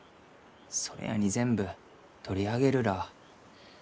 それやに全部取り上げるらあ。